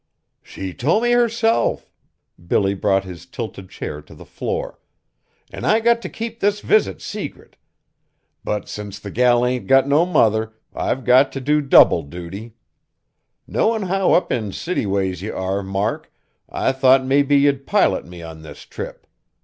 "She told me herself!" Billy brought his tilted chair to the floor; "an' I got t' keep this visit secret. But, since the gal ain't got no mother, I've got t' do double duty. Knowin' how up in city ways ye are, Mark, I thought maybe ye'd pilot me on this trip.